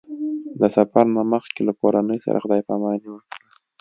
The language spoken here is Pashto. د سفر نه مخکې له کورنۍ سره خدای پاماني وکړه.